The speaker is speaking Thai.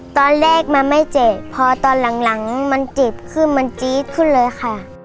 ตอนแรกมันไม่เจ็บพอตอนหลังมันเจ็บขึ้นมันจี๊ดขึ้นเลยค่ะ